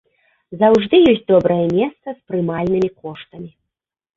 Заўжды ёсць добрае месца з прымальнымі коштамі.